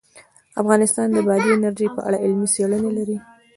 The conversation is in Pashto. افغانستان د بادي انرژي په اړه علمي څېړنې لري.